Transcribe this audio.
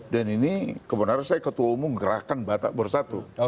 dan ini kebenarnya saya ketua umum gerakan batak bursatu